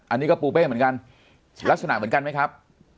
อันนี้ก็ปูเป้เหมือนกันลักษณะเหมือนกันไหมครับ